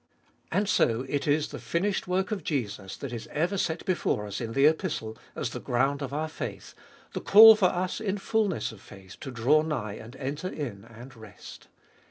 And so it is the finished work of Jesus that is ever set before us in the Epistle as the ground of our faith, the call for us in fulness of faith to draw nigh and enter in and rest.